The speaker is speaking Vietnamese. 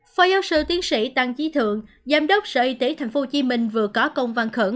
phó giáo sư tiến sĩ tăng trí thượng giám đốc sở y tế tp hcm vừa có công văn khẩn